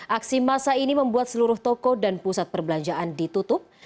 aksi masa ini membuat seluruh toko dan pusat perbelanjaan ditutup